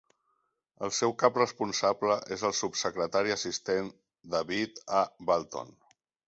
El seu cap responsable és el subsecretari assistent David A. Balton.